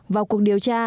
vào cuộc điều tra